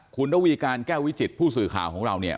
คุณระวีการแก้ววิจิตผู้สื่อข่าวของเราเนี่ย